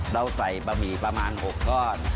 เราใส่บะหมี่ประมาณ๖ก้อน